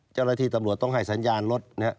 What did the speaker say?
เจ้าระทีตำรวจต้องให้สัญญาณรถ